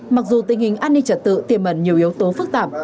mặc dù tình hình an ninh trật tự tiềm ẩn nhiều yếu tố phức tạp